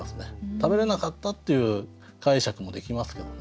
食べれなかったっていう解釈もできますけどね。